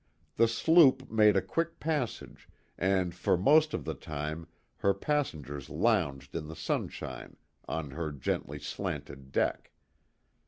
The sloop made a quick passage, and for most of the time her passengers lounged in the sunshine on her gently slanted deck.